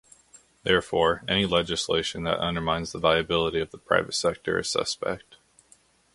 Therefore any legislation that undermines the viability of the private sector is suspect.